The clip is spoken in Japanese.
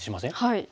はい。